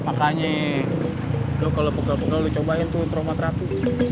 makanya gue kalau pegal pegal lo cobain tuh trauma terapi